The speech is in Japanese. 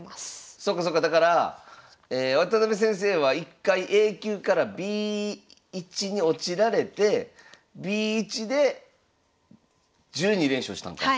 そっかそっかだから渡辺先生は１回Ａ級からＢ１に落ちられてＢ１で１２連勝したんか。